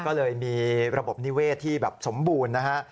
ก็เลยมีระบบนิเวศที่แบบสมบูรณ์นะฮะ